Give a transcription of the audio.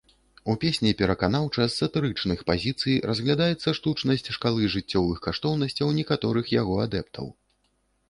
У песні пераканаўча, з сатырычных пазіцый, разглядаецца штучнасць шкалы жыццёвых каштоўнасцяў некаторых яго адэптаў.